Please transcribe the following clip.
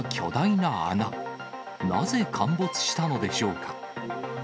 なぜ陥没したのでしょうか。